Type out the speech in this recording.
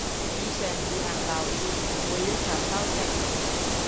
以上自行留意，唔會要求修正